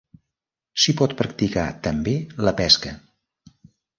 S'hi pot practicar també la pesca.